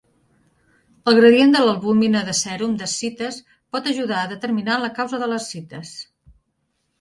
El gradient de l'albúmina de sèrum d'ascites pot ajudar a determinar la causa de l'ascites.